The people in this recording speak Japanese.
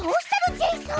ジェイソン！